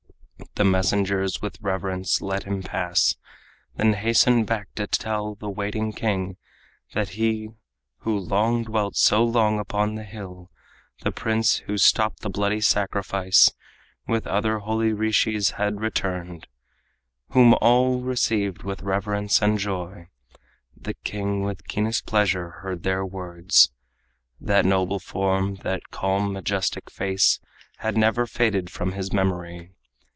The messengers with reverence let him pass, Then hastened back to tell the waiting king That he who dwelt so long upon the hill, The prince who stopped the bloody sacrifice, With other holy rishis had returned, Whom all received with reverence and joy. The king with keenest pleasure heard their words. That noble form, that calm, majestic face, Had never faded from his memory.